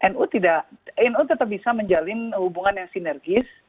nu tidak nu tetap bisa menjalin hubungan yang sinergis